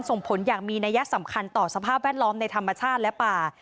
ส่งผลอย่างมีนัยสำคัญต่อสภาพแวดล้อมในธรรมชาติและป่า